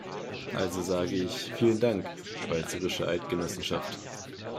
Also sage ich, vielen Dank, Schweizerische Eidgenossenschaft!